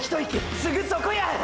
すぐそこや！！